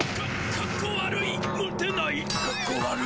かっこ悪い。